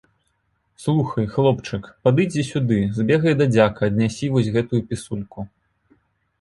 Слухай, хлопчык, падыдзі сюды, збегай да дзяка, аднясі вось гэту пісульку.